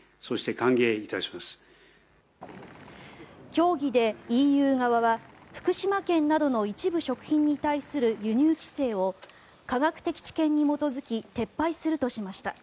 協議でＥＵ側は福島県などの一部食品に対する輸入規制を科学的知見に基づき撤廃するとしました。